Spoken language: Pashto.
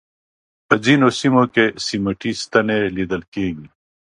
په ځینو سیمو کې سیمټي ستنې لیدل کېږي.